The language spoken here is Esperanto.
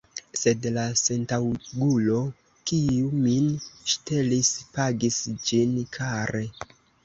Sed la sentaŭgulo, kiu min ŝtelis, pagis ĝin kare.